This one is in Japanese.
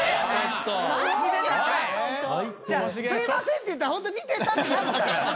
「すいません」って言ったらホントに見てたってなるから。